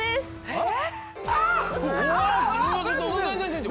えっ？